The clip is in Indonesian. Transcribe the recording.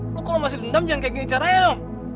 lo kalau masih dendam jangan kayak gini caranya dong